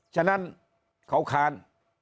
ฉะนั้นเขาคาน